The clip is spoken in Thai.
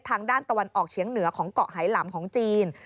ทางด้านตะวันออกเฉียงเหนือของเกาะไหล่หลัมของจีน